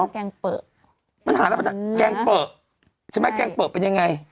แกงเป๋อใช่ไหมแกงเป๋อเป็นยังไง